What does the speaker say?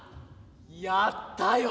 やったよ！